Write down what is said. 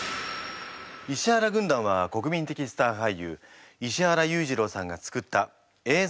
石原軍団は国民的スター俳優石原裕次郎さんが作ったえい